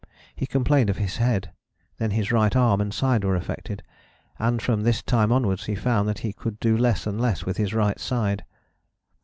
He complained of his head; then his right arm and side were affected; and from this time onwards he found that he could do less and less with his right side.